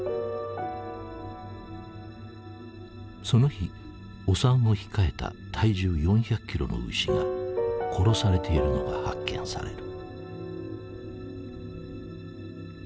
その日お産を控えた体重４００キロの牛が殺されているのが発見される。